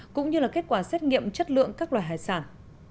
cũng như là kết quả xét nghiệm chất lượng các loài hải sản